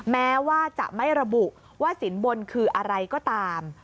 แม้ว่าจะไม่ระบุว่าสินบนคืออะไรก็ตาม